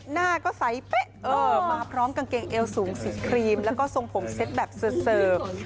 หน้าก็ใสเป๊ะมาพร้อมกางเกงเอวสูงสีครีมแล้วก็ทรงผมเซ็ตแบบเสิร์ฟ